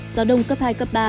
gió đông cấp hai ba